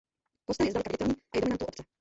Kostel je zdaleka viditelný a je dominantou obce.